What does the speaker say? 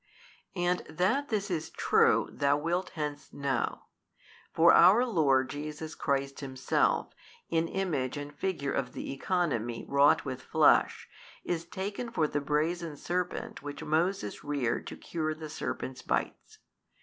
And that this is true, thou wilt hence know. For our Lord Jesus Christ Himself, in image and figure of the economy wrought with flesh is taken for the brazen serpent which Moses reared to cure the serpents' bites.